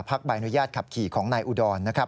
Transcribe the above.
ใบอนุญาตขับขี่ของนายอุดรนะครับ